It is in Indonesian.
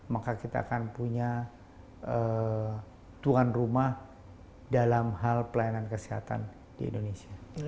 maka kita akan punya tuan rumah dalam hal pelayanan kesehatan di indonesia